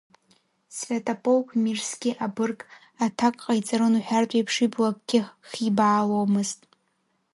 Свиатополк-Мирски абырг, аҭак ҟаиҵарын уҳәартә еиԥш, ибла акгьы хибааломызт.